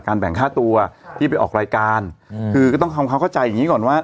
แบ่งค่าตัวที่ไปออกรายการอืมคือก็ต้องทำความเข้าใจอย่างงี้ก่อนว่า